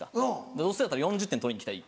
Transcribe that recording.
どうせだったら４０点取りに行きたい。